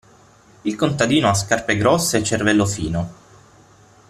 Il contadino ha scarpe grosse e cervello fino.